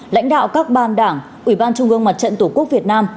lãnh đạo các ban đảng ủy ban trung ương mặt trận tổ quốc việt nam